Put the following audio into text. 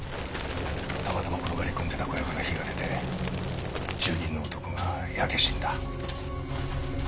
たまたま転がり込んでた小屋から火が出て住人の男が焼け死んだ。